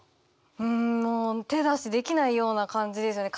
うんもう手出しできないような感じですよね。